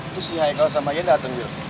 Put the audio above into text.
itu si haikal sama yen dateng wil